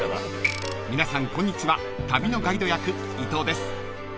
［皆さんこんにちは旅のガイド役伊藤です］